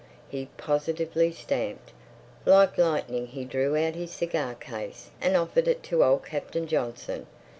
He positively stamped. Like lightning he drew out his cigar case and offered it to old Captain Johnson.